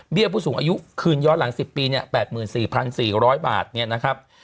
ผู้สูงอายุคืนย้อนหลัง๑๐ปีเนี่ย๘๔๔๐๐บาทเนี่ยนะครับ